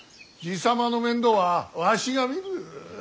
爺様の面倒はわしが見る。